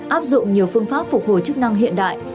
áp dụng nhiều phương pháp phục hồi chức năng hiện đại